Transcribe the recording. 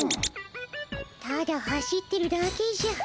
ただ走ってるだけじゃ。